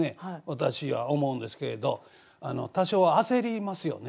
私は思うんですけれど多少焦りますよね。